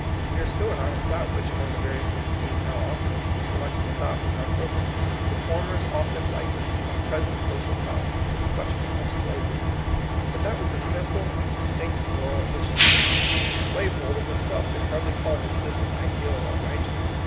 We are still in honest doubt which among the various new schemes now ofifered us to select and adopt as our program. Reformers often liken our present social problems to the question of slavery. But that was a simple and distinct moral is sue. The slaveholder himself could hardly call his system ideal or righteous.